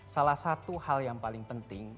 salah satu hal yang paling penting